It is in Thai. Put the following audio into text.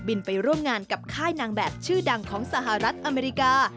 ไปร่วมงานกับค่ายนางแบบชื่อดังของสหรัฐอเมริกา